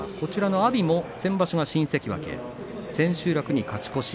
阿炎も先場所、新関脇千秋楽に勝ち越し。